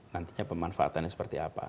nantinya pemanfaatannya seperti apa